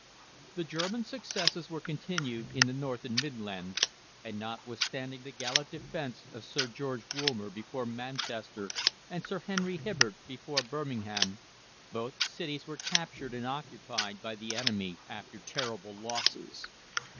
The German successes were continued in the North and Midlands, and notwithstanding the gallant defence of Sir George Woolmer before Manchester and Sir Henry Hibbard before Birmingham, both cities were captured and occupied by the enemy after terrible losses.